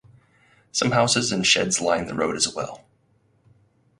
Some houses and sheds line the road as well.